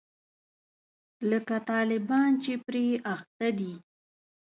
لکه طالبان چې پرې اخته دي.